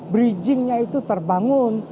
bridgingnya itu terbangun